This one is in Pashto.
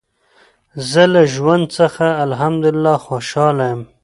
زه له ژوند څخه الحمدلله خوشحاله یم.